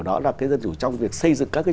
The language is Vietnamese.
đó là cái dân chủ trong việc xây dựng các cái